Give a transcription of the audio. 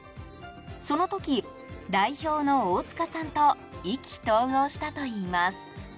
その時、代表の大塚さんと意気投合したといいます。